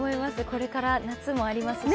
これから夏もありますし。